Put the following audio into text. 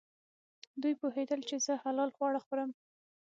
دوی پوهېدل چې زه حلال خواړه خورم.